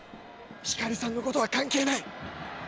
ひかりさんのことは関係ない！